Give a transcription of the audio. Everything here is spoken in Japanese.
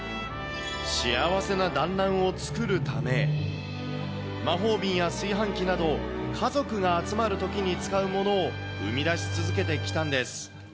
幸せな団らんを作るため、魔法瓶や炊飯器など、家族が集まるときに使うものを生み出し続けてきたんです。